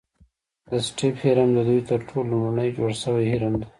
د سټیپ هرم ددوی تر ټولو لومړنی جوړ شوی هرم دی.